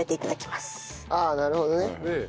ああなるほどね。